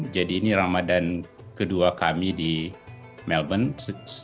jadi ini ramadan kedua kami di melbourne